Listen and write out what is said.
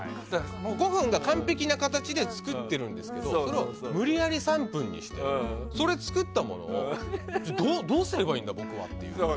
５分で完璧な形で作っているんですけど無理やり３分にして作ったものをどうすればいいんだ、僕はって。